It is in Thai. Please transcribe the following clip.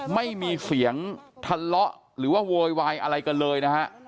ไม่มีเสียงทะเลาะหรือว่าโวยวายอะไรกันเลยนะฮะ